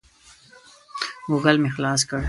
ګوګل مې خلاص کړ.